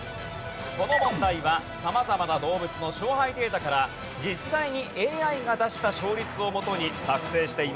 この問題は様々な動物の勝敗データから実際にＡＩが出した勝率をもとに作成しています。